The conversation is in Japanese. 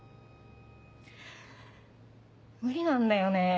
無理なんだよね